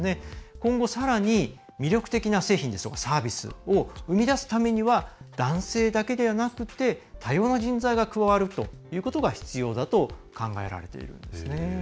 今後、さらに魅力的な製品やサービスを生み出すためには男性だけではなくて多様な人材が加わるということが必要だと考えられているんですね。